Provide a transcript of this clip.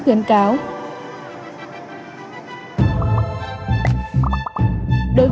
càng dễ gây nóng